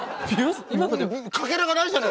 かけらがないじゃない！